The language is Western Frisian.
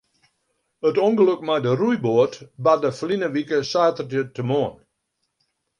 It ûngelok mei de roeiboat barde ferline wike saterdeitemoarn.